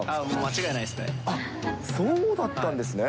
間違いないですね。